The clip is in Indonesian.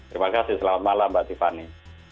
terima kasih selamat malam mbak tiffany